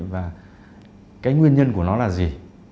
và cái nguyên nhân của nó là gì